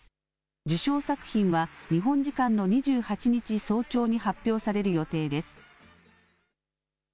受賞作品は日本時間の２８日早朝に発表される予定です。